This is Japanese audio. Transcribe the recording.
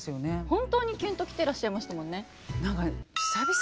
本当にキュンと来てらっしゃいましたもんね。